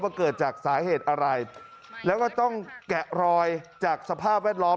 เกิดจากสาเหตุอะไรแล้วก็ต้องแกะรอยจากสภาพแวดล้อม